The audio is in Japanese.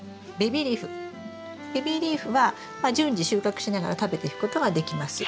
ベビーリーフは順次収穫しながら食べていくことができます。